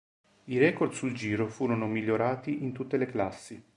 I record sul giro furono migliorati in tutte le classi.